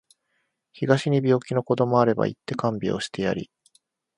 東に病気の子どもあれば行って看病してやり